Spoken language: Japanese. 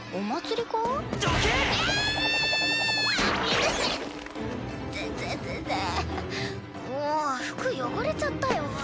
もう服汚れちゃったよ。